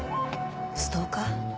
ストーカー？